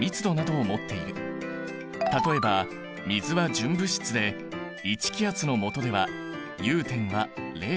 例えば水は純物質で１気圧のもとでは融点は０℃。